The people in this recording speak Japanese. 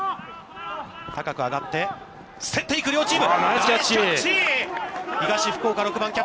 高く上がって競っていく両チーム。